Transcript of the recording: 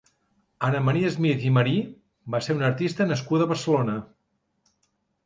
Ana Maria Smith i Marí va ser una artista nascuda a Barcelona.